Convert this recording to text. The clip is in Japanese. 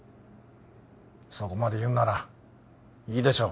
そこまで言うならいいでしょう